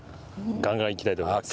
ガンガンいきたいと思います。